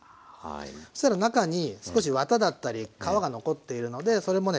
そしたら中に少しワタだったり皮が残っているのでそれもね